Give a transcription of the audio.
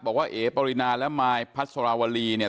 เอ๋ปรินาและมายพัสราวรีเนี่ย